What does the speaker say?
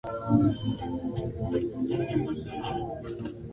fedha iliyokuwa ikitumika zanzibar ni rupia ya india